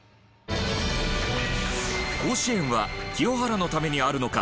甲子園は清原のためにあるのか！